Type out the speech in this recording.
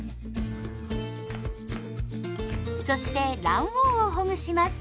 そして卵黄をほぐします。